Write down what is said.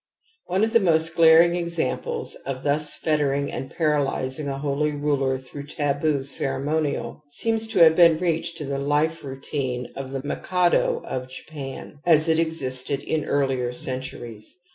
One of the most glaring examples of thus fet tering and paralysing a holy ruler through taboo ceremonial seems to have been reached in the life routine of the Mikado of Japan, as it existed in earher centuries.